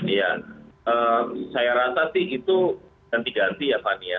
iya saya rasa sih itu yang diganti ya fania